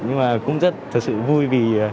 nhưng mà cũng rất thật sự vui vì